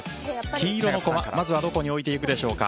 黄色のコマをどこに置いていくでしょうか。